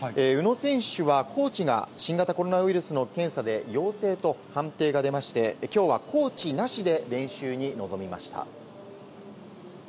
宇野選手は、コーチが新型コロナウイルスの検査で陽性と判定が出まして、きょうはコーチなしで練習に臨みました。